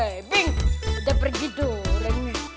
hei bing udah pergi tuh orangnya